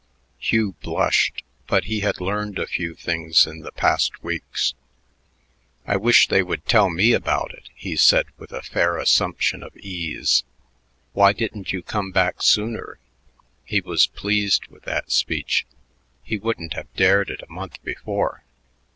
Hugh blushed, but he had learned a few things in the past weeks. "I wish they would tell me about it," he said with a fair assumption of ease. "Why didn't you come back sooner?" He was pleased with that speech. He wouldn't have dared it a month before.